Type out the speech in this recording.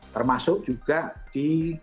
termasuk juga di